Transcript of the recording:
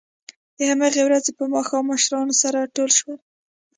د همهغې ورځې په ماښام مشران سره ټول شول